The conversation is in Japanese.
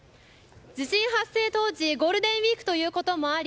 地震発生当時ゴールデンウィークということもあり